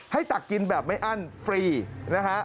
ตักกินแบบไม่อั้นฟรีนะฮะ